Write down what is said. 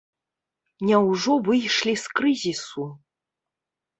Няўжо выйшлі з крызісу?